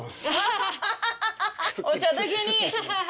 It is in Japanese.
お茶だけに。